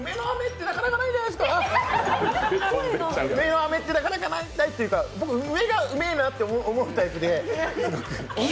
梅の飴ってなかなかないじゃないですか、僕、梅がうめぇなって思うタイプで。